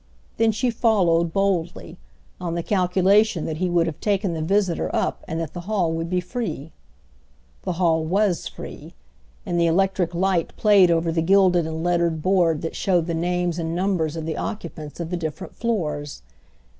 Then she followed boldly, on the calculation that he would have taken the visitor up and that the hall would be free. The hall was free, and the electric light played over the gilded and lettered board that showed the names and numbers of the occupants of the different floors.